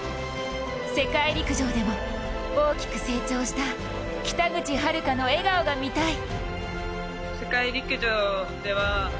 世界陸上でも、大きく成長した北口榛花の笑顔が診たい。